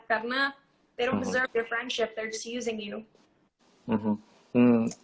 karena mereka gak menjaga teman teman mereka hanya menggunakanmu